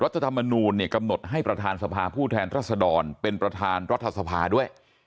ธรรมนูลเนี่ยกำหนดให้ประธานสภาผู้แทนรัศดรเป็นประธานรัฐสภาด้วย